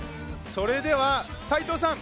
それでは、斎藤さん